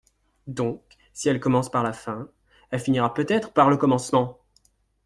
Donc, si elle commence par la fin, elle finira peut-être par le commencement !